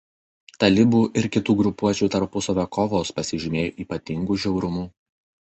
Talibų ir kitų grupuočių tarpusavio kovos pasižymėjo ypatingų žiaurumu.